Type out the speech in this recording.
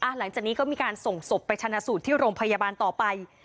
หลังจากนี้ก็มีการส่งศพไปชนะสูตรที่โรงพยาบาลต่อไป